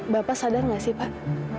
bapak sadar nggak sih pak